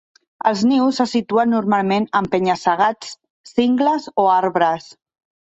Els nius se situen normalment en penya-segats, cingles o arbres.